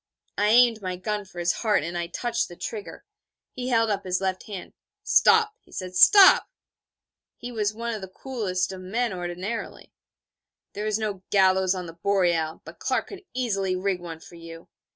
_' I aimed my gun for his heart, and I touched the trigger. He held up his left hand. 'Stop,' he said, 'stop.' (He was one of the coolest of men ordinarily.) 'There is no gallows on the Boreal, but Clark could easily rig one for you.